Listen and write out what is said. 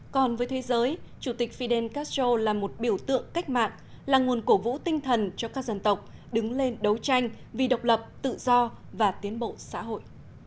còn với thế giới chủ tịch fidel castro là một biểu tượng cách mạng là nguồn cổ vũ tinh thần cho các dân tộc đứng lên đấu tranh vì độc lập tự do và tiến bộ xã hội